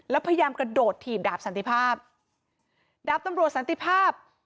แล้วพยายามกระโดดถีบดาบสันติภาพดาบตำรวจสันติภาพ